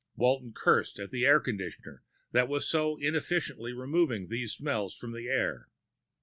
Walton cursed at the air conditioner that was so inefficiently removing these smells from the air.